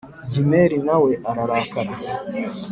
Gimeli nawe ararakara